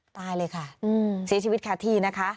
ตายเลยค่ะเสียชีวิตคาที่นะคะ